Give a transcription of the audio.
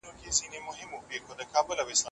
موږ له ماڼۍ څخه ډګر ته وړاندي لاړو.